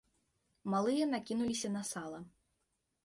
Малыя накінуліся на сала.